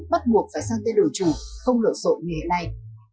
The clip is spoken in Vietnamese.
bắt buộc phải sang tên đổi chủ không lộn xộn người hệ này